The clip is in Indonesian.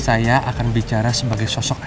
saya akan bicara sebagai sosok